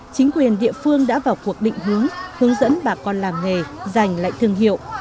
chính quyền địa phương đã vào cuộc định hướng hướng dẫn bà con làm nghề dành lại thương hiệu